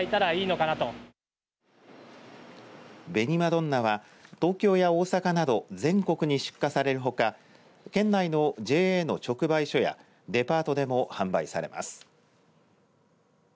どんなは、東京や大阪など全国に出荷されるほか県内のＪＡの直売所やデパートでも販売されます。